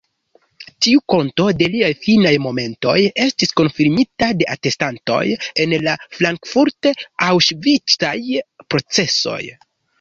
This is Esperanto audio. Tiu konto de liaj finaj momentoj estis konfirmita de atestantoj en la frankfurt-aŭŝvicaj procesoj.